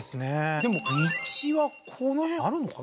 でも道はこの辺あるのかな？